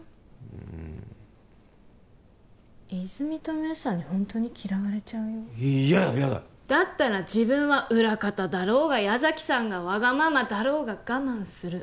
うん泉実と明紗にホントに嫌われちゃうよやだやだだったら自分は裏方だろうが矢崎さんがわがままだろうが我慢する